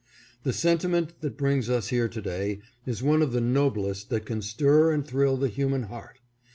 The sentiment that brings us here to day is one of the noblest that can stir and thrill the human heart.